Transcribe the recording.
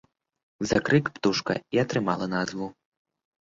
За крык птушка і атрымала назву.